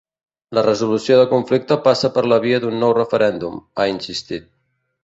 “La resolució del conflicte passa per la via d’un nou referèndum”, ha insistit.